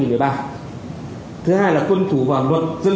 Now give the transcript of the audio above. chúng ta phải thứ nhất là tuân thủ vào hiên tháp hai nghìn một mươi ba